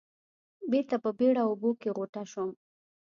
بېرته په بېړه اوبو کې غوټه شوم.